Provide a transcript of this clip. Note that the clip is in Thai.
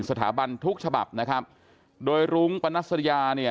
สถาบันทุกฉบับนะครับโดยรุ้งปนัสยาเนี่ย